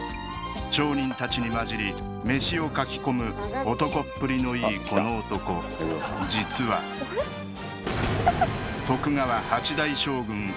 町人たちに交じり飯をかき込む男っぷりのいいこの男実は徳川八代将軍